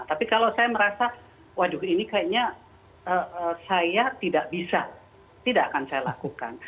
tapi kalau saya merasa waduh ini kayaknya saya tidak bisa tidak akan saya lakukan